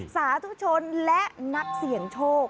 สาธุชนและนักเสี่ยงโชค